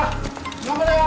頑張れよ！